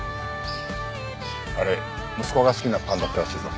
あれ息子が好きなパンだったらしいぞ。